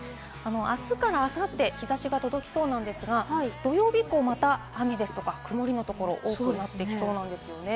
あすからあさって日差しが届きそうなんですが、土曜日以降、また雨ですとか曇りのところ、多くなってきそうなんですよね。